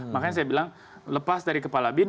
makanya saya bilang lepas dari kepala bin